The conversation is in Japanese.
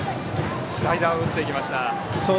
スライダーを打っていきました。